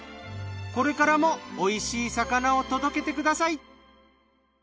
これからもおいしい魚を届けてください。